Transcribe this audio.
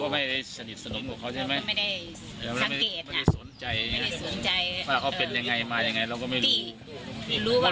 ไม่ได้สนใจว่าเขาเป็นยังไงมายังไงแล้วก็ไม่รู้ว่า